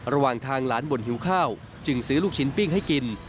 ระหว่างทางหลานบ่นหิวข้าวจึงซื้อลูกชิ้นปิ้งให้กิน